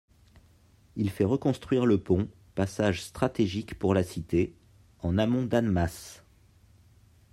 Il fait reconstruire le pont, passage stratégique pour la cité, en amont d'Annemasse.